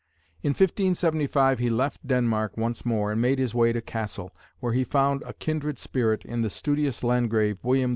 In 1575 he left Denmark once more and made his way to Cassel, where he found a kindred spirit in the studious Landgrave, William IV.